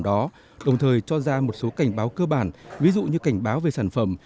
đó đồng thời cho ra một số cảnh báo cơ bản ví dụ như cảnh báo về sản phẩm